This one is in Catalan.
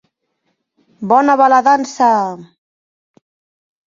Bona va la dansa!